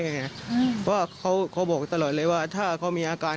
เพราะเขาบอกตลอดเลยว่าถ้าเขามีอาการ